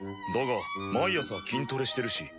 だが毎朝筋トレしてるし。